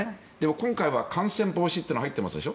今回は感染防止というのが入ってますでしょ。